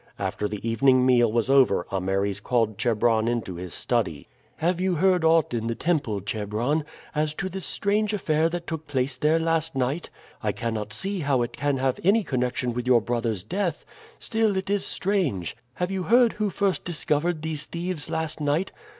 After the evening meal was over Ameres called Chebron into his study. "Have you heard aught in the temple, Chebron, as to this strange affair that took place there last night? I cannot see how it can have any connection with your brother's death; still, it is strange. Have you heard who first discovered these thieves last night?